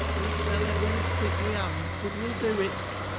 We'll sell ivery stick we han bud we'll dew it."